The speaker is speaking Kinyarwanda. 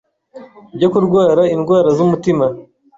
byo kurwara indwara z’umutima